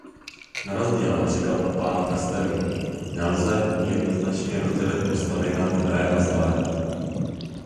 Na rozdíl například od "Pána prstenů" nelze jednoznačně rozdělit postavy na dobré a zlé.